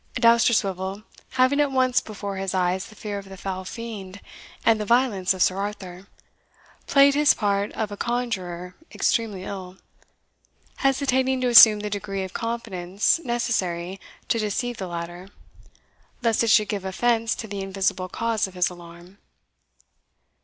Dousterswivel, having at once before his eyes the fear of the foul fiend, and the violence of Sir Arthur, played his part of a conjuror extremely ill, hesitating to assume the degree of confidence necessary to deceive the latter, lest it should give offence to the invisible cause of his alarm.